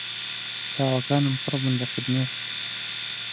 چاوەکانم پڕ بوون لە فرمێسک.